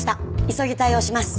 急ぎ対応します。